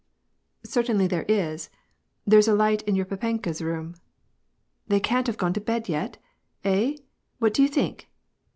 • "Certainly there is; there's a light in your papenka's room." " They can't have gone to bed yet ? Hey ? What do you think